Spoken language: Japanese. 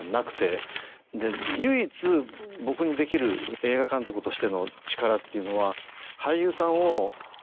唯一僕にできる映画監督としての力っていうのは。